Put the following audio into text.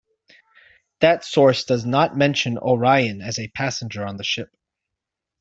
That source does not mention Orian as a passenger on the ship.